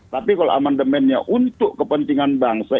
tapi kalau amandemennya untuk kepentingan bangsa